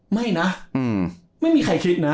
ไม่นะไม่มีใครคิดนะ